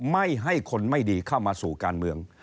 ไม่ให้คนไม่ดีเข้ามาสู่การเมือง